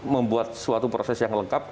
membuat suatu proses yang lengkap